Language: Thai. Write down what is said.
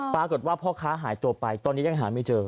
ปรากฏว่าพ่อค้าหายตัวไปตอนนี้ยังหาไม่เจอ